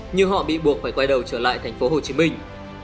nhưng họ bị buộc phải quay đầu trở lại tp hồ chí minh